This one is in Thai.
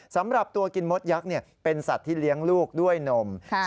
สำหรับตัวกินมดยักษ์เป็นสัตว์ที่เลี้ยงลูกด้วยนม